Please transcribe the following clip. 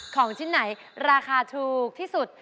ของชิ้นไหนราคาถูกที่สุด